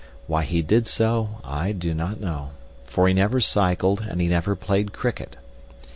Why he did so I do not know, for he never cycled and he never played cricket.